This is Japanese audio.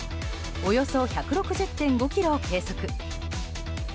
およそ１６０．５キロを計測。